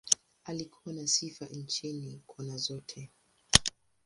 Alikuwa na sifa nchini, kona zote.